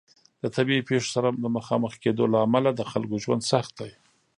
د طبیعي پیښو سره د مخامخ کیدو له امله د خلکو ژوند سخت دی.